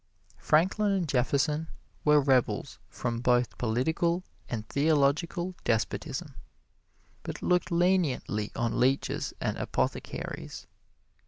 Franklin and Jefferson were rebels from both political and theological despotism, but looked leniently on leeches and apothecaries.